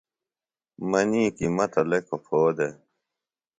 منی کی مہ تہ لیکوۡ پھو دےۡ